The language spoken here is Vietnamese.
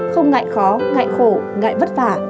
không ngại khó ngại khổ ngại vất vả